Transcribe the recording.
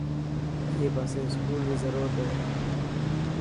اڻي پاسي اسڪول ري ضرورت هي.